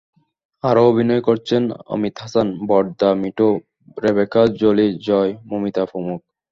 আরও অভিনয় করছেন অমিত হাসান, বড়দা মিঠু, রেবেকা জলি, জয়, মৌমিতা প্রমুখ।